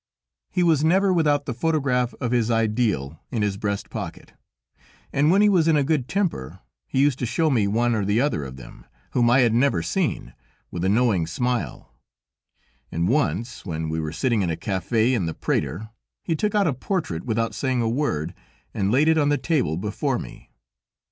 He was never without the photograph of his ideal in his breast pocket, and when he was in a good temper he used to show me one or other of them, whom I had never seen, with a knowing smile, and once, when we were sitting in a café in the Prater, he took out a portrait without saying a word, and laid it on the table before me.